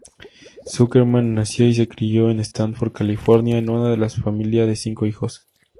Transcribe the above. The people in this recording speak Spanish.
Zuckerman nació y se crio en Stanford, California, en una familia de cinco hijos.